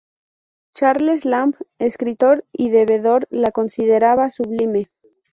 Charles Lamb, escritor y bebedor, la consideraba "sublime".